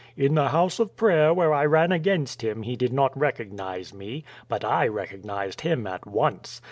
In the house of prayer where I ran against him he did not recognize me. But I recognized him at once.